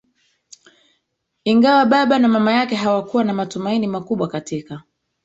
Ingawa Baba na Mama yake hawakuwa na matumaini makubwa katika